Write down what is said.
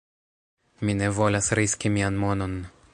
"Mi ne volas riski mian monon"